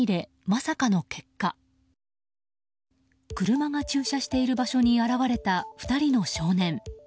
車が駐車している場所に現れた２人の少年。